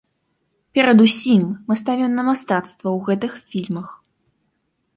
Перадусім мы ставім на мастацтва ў гэтых фільмах.